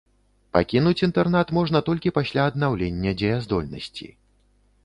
Пакінуць інтэрнат можна толькі пасля аднаўлення дзеяздольнасці.